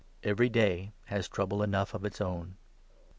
Every day has trouble enough of its own.